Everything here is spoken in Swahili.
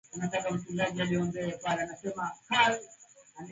Ni muzuri ku rima mu mpango ya nyumba